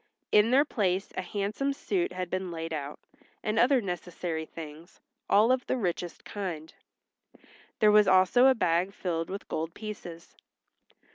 In their place a handsome suit had been laid out, and other necessary things, all of the richest kind. There was also a bag filled with gold pieces.